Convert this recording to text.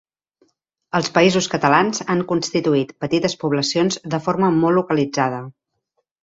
Als Països Catalans han constituït petites poblacions de forma molt localitzada.